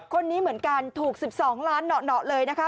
คนนี้เหมือนกันถูก๑๒ล้านเหนาะเลยนะคะ